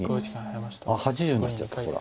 あっ８０になっちゃったほら。